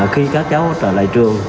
khi các cháu trở lại trường